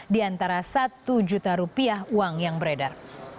di antara satu juta rupiah uang yang beredar